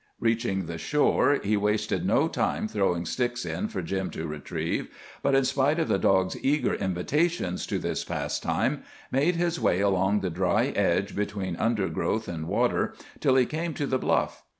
Reaching the shore, he wasted no time throwing sticks in for Jim to retrieve, but, in spite of the dog's eager invitations to this pastime, made his way along the dry edge between undergrowth and water till he came to the bluff.